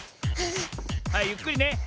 はいゆっくりね。